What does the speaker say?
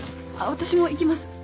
私も行きます。